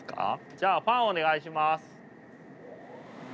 じゃあファンお願いします。